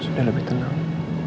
sudah lebih tenang